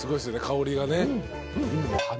香りがね。